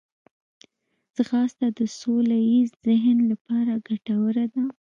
ځغاسته د سوله ییز ذهن لپاره ګټوره ده